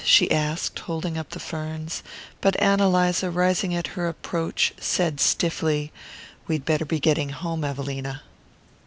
she asked, holding up the ferns; but Ann Eliza, rising at her approach, said stiffly: "We'd better be getting home, Evelina."